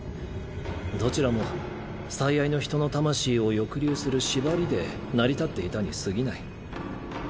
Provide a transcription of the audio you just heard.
どちらも最愛の人の魂を抑留する縛りで成り立っていたにすぎない。